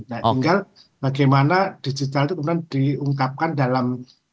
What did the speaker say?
nah tinggal bagaimana digital itu kemudian diungkapkan dalam